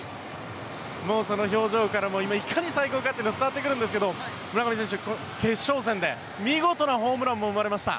もうその表情からもいかに最高かが伝わってくるんですが村上選手、決勝戦で見事なホームランも生まれました。